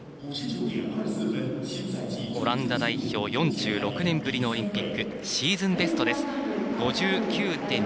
オランダ代表４６年ぶりのオリンピックシーズンベストです。